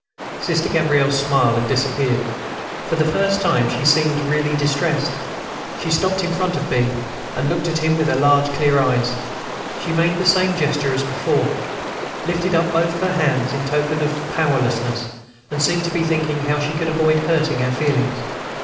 Sister Gabrielle's smile had disappeared. For the first time, she seemed really distressed. She stopped in front of B., and looked at him with her large clear eyes. She made the same gesture as before; lifted up both her hands, in token of powerlessness, and seemed to be thinking how she could avoid hurting our feelings.